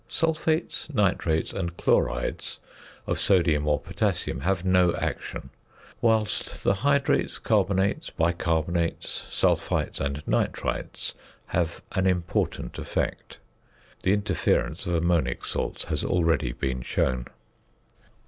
~ Sulphates, nitrates and chlorides of sodium or potassium have no action, whilst the hydrates, carbonates, bicarbonates, sulphites, and nitrites have an important effect. The interference of ammonic salts has already been shown.